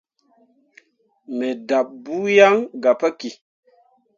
Me dahɓɓe buu yan gah puki.